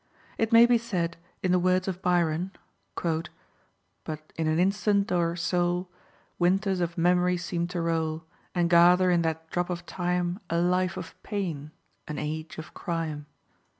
It may be said, in the words of Byron, "But in an instant o'er her soul Winters of memory seem to roll, And gather in that drop of time A life of pain, an age of crime."